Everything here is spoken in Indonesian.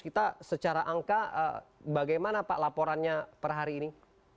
kita secara angka bagaimana pak laporannya per hari ini